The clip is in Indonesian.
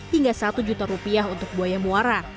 hingga rp satu juta untuk buaya muara